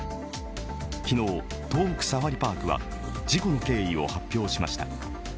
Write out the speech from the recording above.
昨日、東北サファリパークは事故の経緯を発表しました。